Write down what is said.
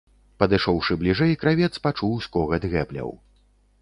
Падышоўшы бліжэй, кравец пачуў скогат гэбляў.